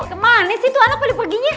kemana sih tuh anak paling perginya